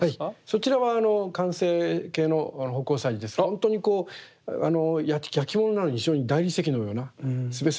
そちらは完成形の葆光彩磁ですけどほんとにこうやきものなのに非常に大理石のようなすべすべっとした。